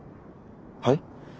はい？